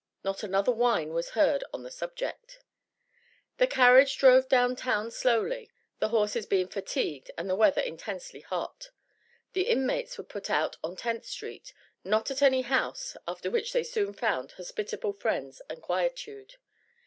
Not another whine was heard on the subject. The carriage drove down town slowly, the horses being fatigued and the weather intensely hot; the inmates were put out on Tenth street not at any house after which they soon found hospitable friends and quietude.